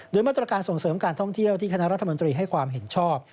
โดยมาตรการส่งเสริมการท่องเที่ยวที่คณะรัฐมนตรีให้ความเห็นชอบ